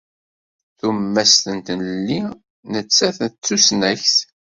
Tumast n tlelli nettat d tusnakt.